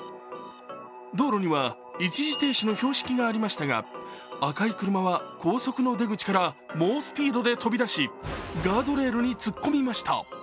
道路には一時停止の標識がありましたが赤い車は、高速の出口から猛スピードで飛び出しガードレールに突っ込みました。